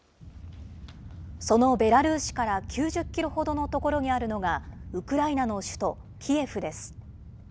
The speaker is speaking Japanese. そのベラルーシから９０キロほどの所にあるのが、ウクライナの首都キエフです。